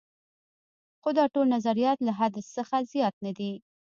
خو دا ټول نظریات له حدس څخه زیات نه دي.